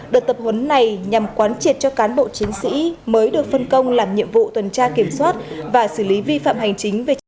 đợt tập huấn này nhằm quán triệt cho cán bộ chiến sĩ mới được phân công làm nhiệm vụ tuần tra kiểm soát và xử lý vi phạm hành chính về trật tự